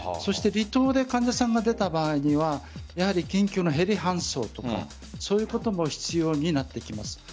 離島で患者さんが出た場合にはやはり緊急のヘリ搬送とかそういうことも必要になってきます。